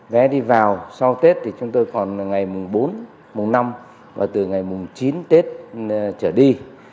vé đi vào sau tết thì chúng tôi còn ngày bốn năm và từ ngày chín tết trở đi